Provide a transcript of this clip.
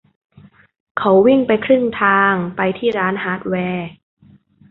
เขาวิ่งไปครึ่งทางไปที่ร้านฮาร์ดแวร์